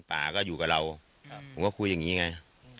ป่าก็อยู่กับเราผมก็คุยอย่างนี้ไง